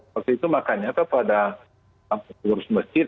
maksudnya makanya apa pada urus masjid